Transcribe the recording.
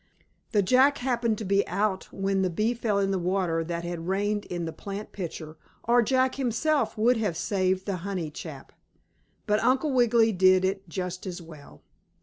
The Jack happened to be out when the bee fell in the water that had rained in the plant pitcher, or Jack himself would have saved the honey chap. But Uncle Wiggily did it just as well.